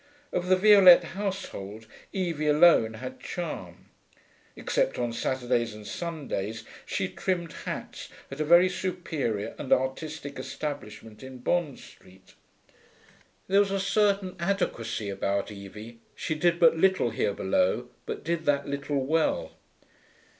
Of the Violette household, Evie alone had charm. Except on Saturdays and Sundays she trimmed hats at a very superior and artistic establishment in Bond Street. There was a certain adequacy about Evie; she did but little here below, but did that little well.